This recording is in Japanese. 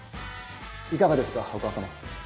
いかがですかお母様。